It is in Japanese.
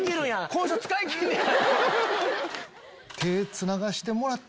「この人使いきんねや」。